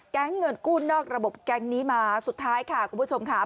เงินกู้นอกระบบแก๊งนี้มาสุดท้ายค่ะคุณผู้ชมค่ะ